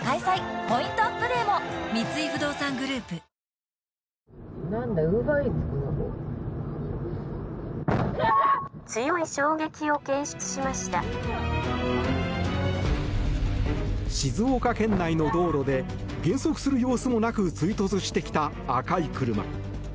ポイントアップデーも静岡県内の道路で減速する様子もなく追突してきた赤い車。